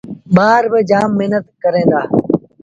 ٻآر با جآم مهنت ڪريݩ دآ۔